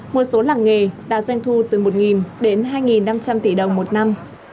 một số làng nghề đã doanh thu từ một đến hai năm trăm linh tỷ đồng một năm